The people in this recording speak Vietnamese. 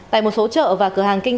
tại một số chợ và cửa hàng kinh doanh